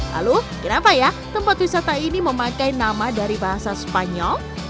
lalu kenapa ya tempat wisata ini memakai nama dari bahasa spanyol